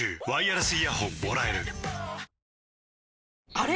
あれ？